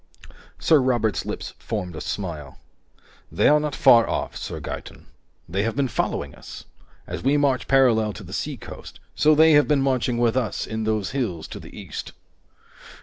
Sir Robert's lips formed a smile. "They are not far off, Sir Gaeton. They have been following us. As we march parallel to the seacoast, so they have been marching with us in those hills to the east."